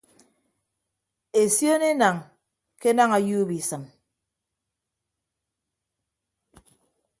Esion enañ ke enañ ọyuup isịm.